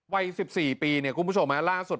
วัย๑๔ปีเนี่ยคุณผู้ชมล่าสุด